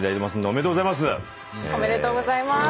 おめでとうございます！